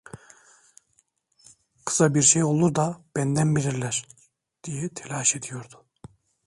"Kıza bir şey olur da benden bilirler!" diye telaş ediyordu.